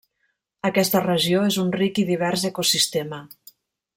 Aquesta regió és un ric i divers ecosistema.